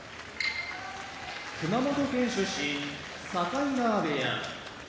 熊本県出身境川部屋